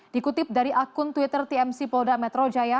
dikutip dari akun twitter tmc polda metro jaya